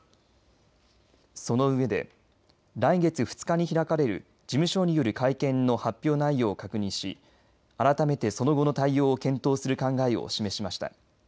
その上で来月２日に開かれる事務所による会見の発表内容を確認し改めてその後の対応を検討する考えを示しました。